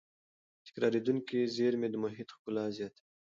تکرارېدونکې زېرمې د محیط ښکلا زیاتوي.